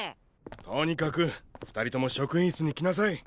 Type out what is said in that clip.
とにかく２人とも職員室に来なさい。